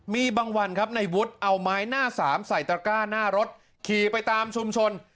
มีบางวันครับในวุฒิเอาไม้หน้าสามใส่ตระก้าหน้ารถขี่ไปตามชุมชน